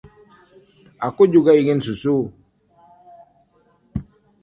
Aku juga ingin susu.